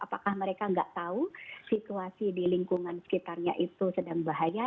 apakah mereka nggak tahu situasi di lingkungan sekitarnya itu sedang bahaya